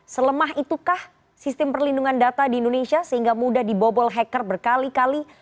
selemah itukah sistem perlindungan data di indonesia sehingga mudah dibobol hacker berkali kali